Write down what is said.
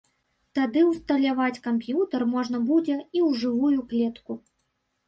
Тады ўсталяваць камп'ютар можна будзе і ў жывую клетку.